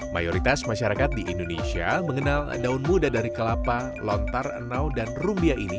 mayoritas masyarakat di indonesia mengenal daun muda dari kelapa lontar enau dan rumbia ini